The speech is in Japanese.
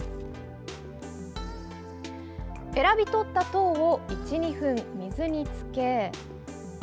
選び取った籐を１２分、水に浸け。